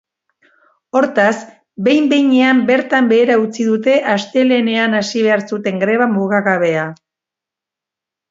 Hortaz, behin-behinean bertan behera utzi dute astelehenean hasi behar zuten greba mugagabea.